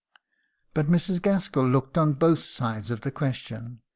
But Mrs. Gaskell looked on both sides of the question.